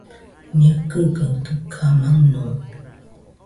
Ñekɨgaɨ dɨga maɨno